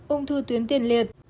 ung thư tuyến tiền liệt